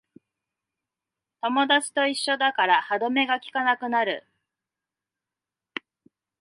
友達と一緒だから歯止めがきかなくなる